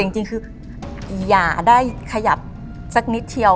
จริงคืออย่าได้ขยับสักนิดเดียว